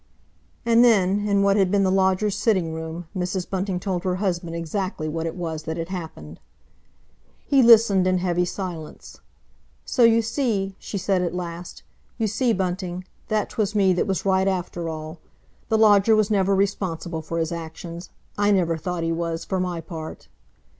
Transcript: And then, in what had been the lodger's sitting room, Mrs. Bunting told her husband exactly what it was that had happened. He listened in heavy silence. "So you see," she said at last, "you see, Bunting, that 'twas me that was right after all. The lodger was never responsible for his actions. I never thought he was, for my part."